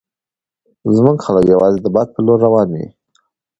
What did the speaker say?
زموږ خلک یوازې د باد په لور روان وي.